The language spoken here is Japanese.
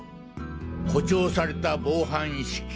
誇張された防犯意識。